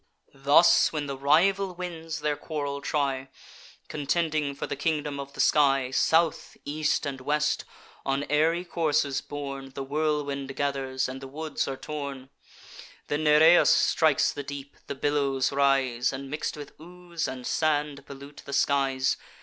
"Thus, when the rival winds their quarrel try, Contending for the kingdom of the sky, South, east, and west, on airy coursers borne; The whirlwind gathers, and the woods are torn: Then Nereus strikes the deep; the billows rise, And, mix'd with ooze and sand, pollute the skies.